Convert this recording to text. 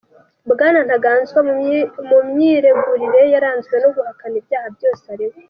Bwana Ntaganzwa mu myiregurire ye yaranzwe no guhakana ibyaha byose aregwa.